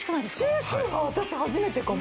中周波私初めてかも。